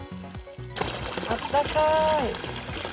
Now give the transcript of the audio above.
あったかーい。